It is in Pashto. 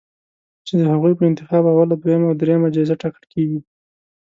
چې د هغوی په انتخاب اوله، دویمه او دریمه جایزه ټاکل کېږي